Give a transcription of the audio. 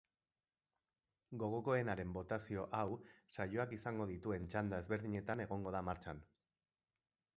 Gogokoenaren botazio hau saioak izango dituen txanda ezberdinetan egongo da martxan.